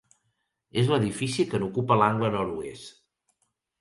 És l'edifici que n'ocupa l'angle nord-oest.